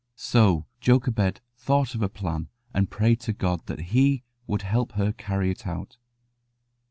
So Jochebed thought of a plan, and prayed to God that He would help her to carry it out.